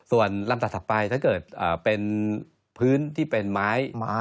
ส่วนลำดับถัดไปถ้าเกิดเป็นพื้นที่เป็นไม้